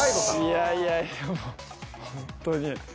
いやいやいやもうほんとに。